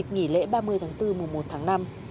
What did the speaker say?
nghỉ lễ ba mươi tháng bốn mùa một tháng năm